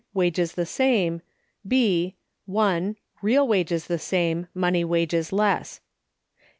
Wages the same. B. (1.) Real wages the same, money wages less.